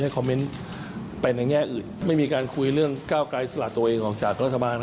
ของภาคเก้าไกล๘ภาค